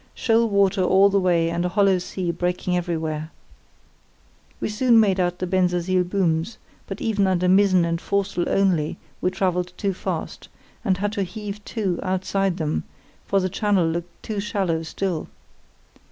Shoal water all the way and a hollow sea breaking everywhere. We soon made out the Bensersiel booms, but even under mizzen and foresail only we travelled too fast, and had to heave to outside them, for the channel looked too shallow still.